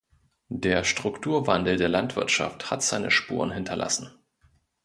Der Strukturwandel der Landwirtschaft hat seine Spuren hinterlassen.